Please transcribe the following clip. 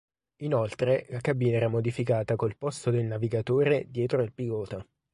Inoltre la cabina era modificata col posto del navigatore dietro al pilota.